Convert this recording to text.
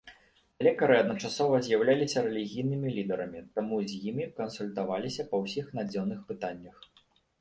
Лекары адначасова з'яўляліся рэлігійнымі лідарамі, таму з імі кансультаваліся па ўсіх надзённых пытаннях.